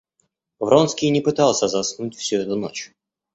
Вронский и не пытался заснуть всю эту ночь.